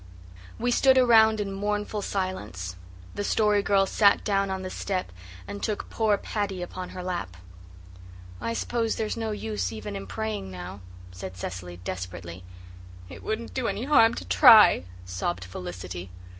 We stood around in mournful silence; the Story Girl sat down on the step and took poor Paddy upon her lap. "I s'pose there's no use even in praying now," said Cecily desperately. "It wouldn't do any harm to try," sobbed Felicity.